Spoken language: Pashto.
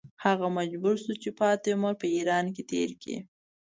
هغه مجبور شو چې پاتې عمر په ایران کې تېر کړي.